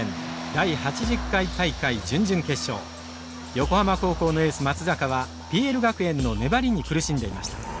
横浜高校のエース松坂はＰＬ学園の粘りに苦しんでいました。